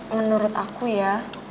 menurut aku ya